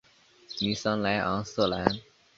尼桑莱昂瑟兰。